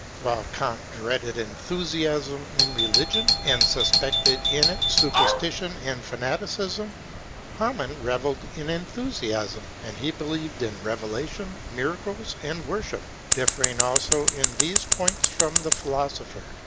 While Kant dreaded enthusiasm in religion, and suspected in it superstition and fanaticism, Hamann revelled in enthusiasm ; and he believed in revelation, miracles, and worship, differing also in these points from the philosopher.